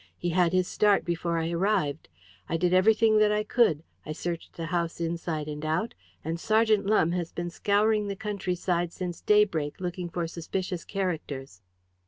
"He had his start before I arrived. I did everything that I could. I searched the house inside and out, and Sergeant Lumbe has been scouring the country side since daybreak looking for suspicious characters."